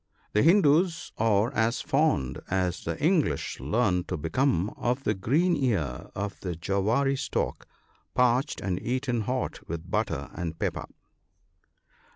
— The Hindoos are as fond, as the English learn to become, of the green ear of the jowaree stalk parched and eaten hot with butter and pepper.